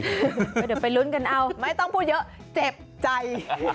เดี๋ยวไปลุ้นกันเอาไม่ต้องพูดเยอะเจ็บใจ